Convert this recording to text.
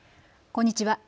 こんにちは。